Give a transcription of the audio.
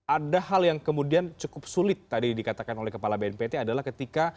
ada hal yang kemudian cukup sulit tadi dikatakan oleh kepala bnpt adalah ketika